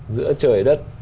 giữa trời đất